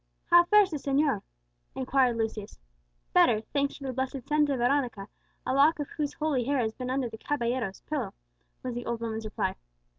"How fares the señor?" inquired Lucius. "Better, thanks to the blessed Santa Veronica, a lock of whose holy hair has been under the caballero's pillow," was the old woman's reply.